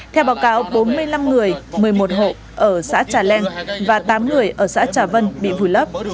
theo báo cáo bốn mươi năm người một mươi một hộ ở xã trà leng và tám người ở xã trà vân bị vùi lấp